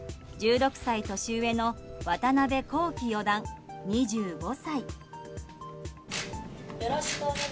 １６歳年上の渡辺貢規四段、２５歳。